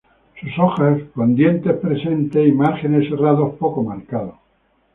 Sus hojas con dientes presentes y márgenes serrados poco marcados.